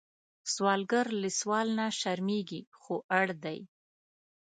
سوالګر له سوال نه شرمېږي، خو اړ دی